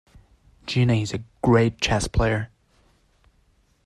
Gina is a great chess player.